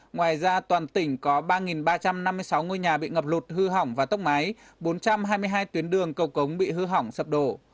ngoài ra toàn tỉnh có ba ba trăm năm mươi sáu ngôi nhà bị ngập lụt hư hỏng và tốc mái bốn trăm hai mươi hai tuyến đường cầu cống bị hư hỏng sập đổ